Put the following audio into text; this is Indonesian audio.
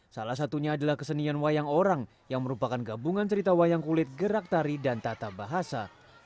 salah satunya adalah kesenian wayang orang yang merupakan gabungan cerita wayang kulit gerak tari dan tata bahasa